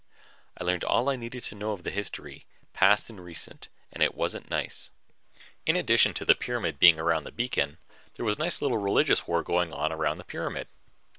I learned all I needed to know of the history, past and recent, and it wasn't nice. In addition to the pyramid being around the beacon, there was a nice little religious war going on around the pyramid.